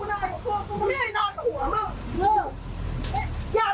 ทำไมกูเจ้าหินตัวเนี้ยอยู่มาทำไมกู